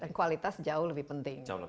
dan kualitas jauh lebih penting